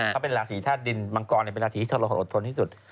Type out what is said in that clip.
เขาเป็นราศีท่าดินมังกรเป็นราศีที่ชกคอสอดทนที่สุด